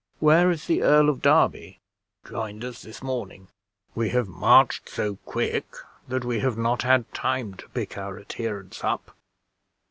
"Where is the Earl of Derby?" "Joined us this morning; we have marched so quick that we have not had time to pick our adherents up."